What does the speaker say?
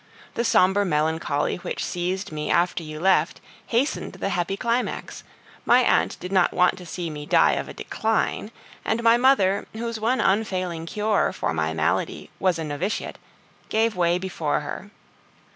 The sombre melancholy which seized me after you left hastened the happy climax, my aunt did not want to see me die of a decline, and my mother, whose one unfailing cure for my malady was a novitiate, gave way before her.